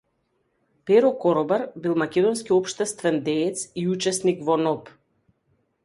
Перо Коробар бил македонски општествен деец и учесник во НОБ.